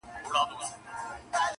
سمدستي یې پلرنی عادت په ځان سو!!